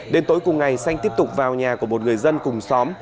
đến tối cùng ngày xanh tiếp tục vào nhà của một người dân cùng xóm